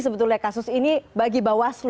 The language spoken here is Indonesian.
sebetulnya kasus ini bagi bawaslu